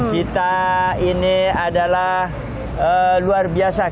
kita ini adalah luar biasa